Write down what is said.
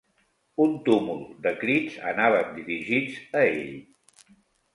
Un tumult de crits anaven dirigits a ell.